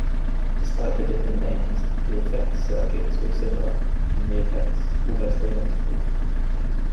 Despite the different names, the effects circuits were similar, and the effects almost identical.